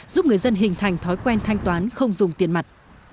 giúp người dân hình thành thói quen thanh toán không dùng tiền mặt